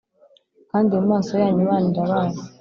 kandi mu maso yanyu Imana irabazi